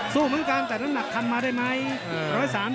สู้เหมือนกันแต่น้ำหนักทำมาได้ไหม